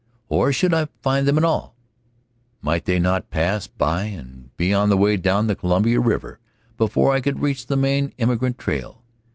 Or should I find them at all? Might they not pass by and be on the way down the Columbia River before I could reach the main immigrant trail?